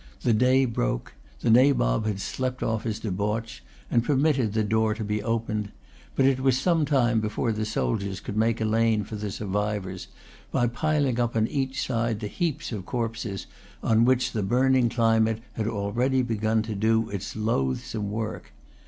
The day broke. The Nabob had slept off his debauch, and permitted the door to be opened. But it was some time before the soldiers could make a lane for the survivors, by piling up on each side the heaps of corpses on which the burning climate had already begun to do its loathsome work.